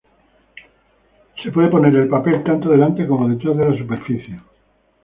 Se puede poner el papel tanto delante como detrás de la superficie.